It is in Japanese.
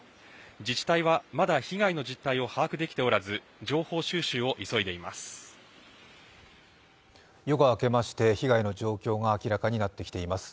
自治体はまだ被害の実態を把握できておらず情報収集を急いでいます。